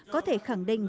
có thể khẳng định